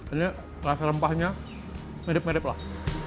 ini rasa rempahnya medip medip lah